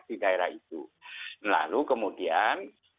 di daerah itu lalu kemudian